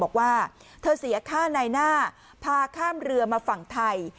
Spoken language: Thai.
บอกว่าเธอเสียค่าในหน้าพาข้ามเรือมาฝั่งไทย